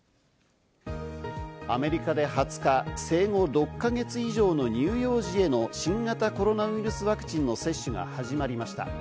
アメリカで２０日、生後６か月以上の乳幼児への新型コロナウイルスワクチンの接種が始まりました。